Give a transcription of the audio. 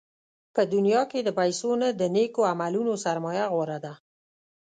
په دنیا کې د پیسو نه، د نېکو عملونو سرمایه غوره ده.